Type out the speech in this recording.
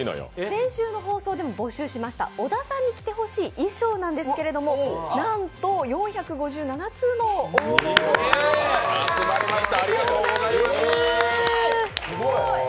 先週の放送でも募集しました小田さんに着てほしい衣装なんですけれどもなんと４５７通の応募がありました。